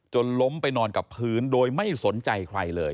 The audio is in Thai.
ล้มไปนอนกับพื้นโดยไม่สนใจใครเลย